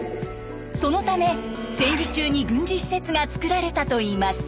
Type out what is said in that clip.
そのため戦時中に軍事施設が造られたといいます。